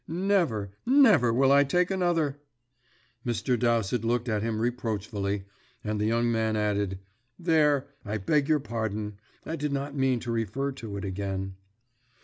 Never, never will I take another!" Mr. Dowsett looked at him reproachfully, and the young man added, "There I beg your pardon. I did not mean to refer to it again."